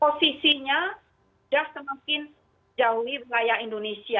posisinya sudah semakin jauhi wilayah indonesia